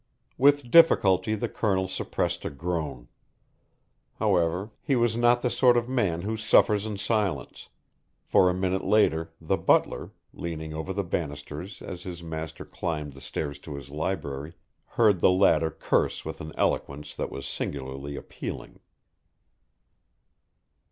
With difficulty the Colonel suppressed a groan. However, he was not the sort of man who suffers in silence; for a minute later the butler, leaning over the banisters as his master climbed the stairs to his library, heard the latter curse with an eloquence that was singularly appealing.